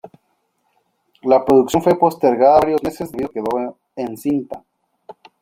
La producción fue postergada varios meses debido a que quedó encinta.